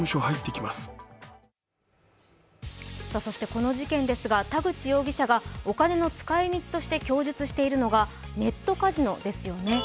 この事件ですが田口容疑者がお金の使い道として供述しているのがネットカジノですよね。